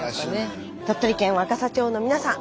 鳥取県若桜町の皆さん